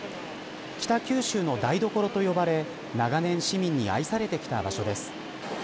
北九州の台所と呼ばれ長年、市民に愛されてきた場所です。